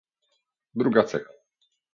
Druga cecha